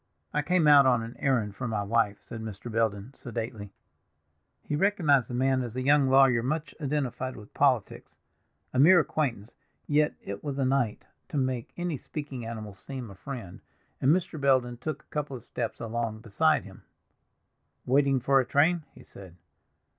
"I came out on an errand for my wife," said Mr. Belden sedately. He recognized the man as a young lawyer much identified with politics; a mere acquaintance, yet it was a night to make any speaking animal seem a friend, and Mr. Belden took a couple of steps along beside him. "Waiting for a train?" he said.